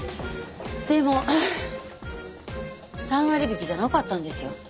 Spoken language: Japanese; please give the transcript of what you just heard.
でも３割引じゃなかったんですよ。